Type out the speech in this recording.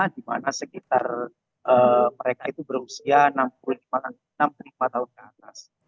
di mana sekitar mereka itu berusia enam puluh empat tahun ke atas